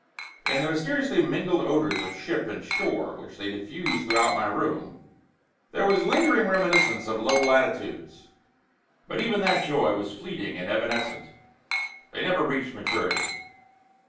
In the mysteriously mingled odors of ship and shore which they diffused throughout my room, there was lingering reminiscence of low latitudes. But even that joy was fleeting and evanescent: they never reached maturity.